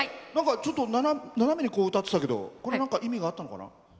ちょっと斜めに歌ってたけどこれ、何か意味があったのかな？